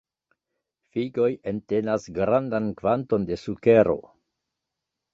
Figoj entenas grandan kvanton de sukero.